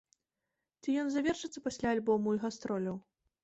Ці ён завершыцца пасля альбома і гастроляў?